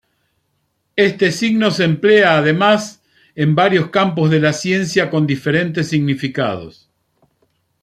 Este signo se emplea además en varios campos de la ciencia con diferentes significados.